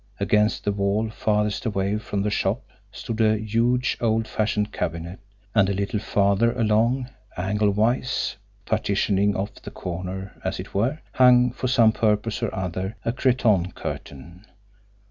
Against the wall farthest away from the shop stood a huge, old fashioned cabinet; and a little farther along, anglewise, partitioning off the corner, as it were, hung, for some purpose or other, a cretonne curtain.